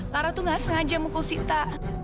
lara tuh gak sengaja mukul sita